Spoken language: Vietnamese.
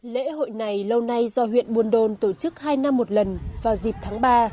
lễ hội này lâu nay do huyện buôn đôn tổ chức hai năm một lần vào dịp tháng ba